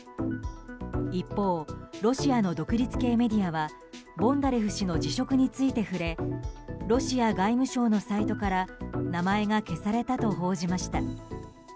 一方、ロシアの独立系メディアはボンダレフ氏の辞職について触れロシア外務省のサイトから名前が消されたと報じました。